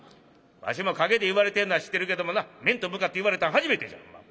わしも陰で言われてんのは知ってるけどもな面と向かって言われたんは初めてじゃほんま。